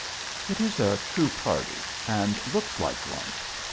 It is a true party and looks like one.